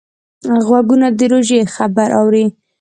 غوږونه د روژې خبر اوري